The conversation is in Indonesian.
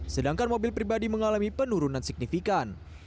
sedangkan mobil pribadi mengalami penurunan signifikan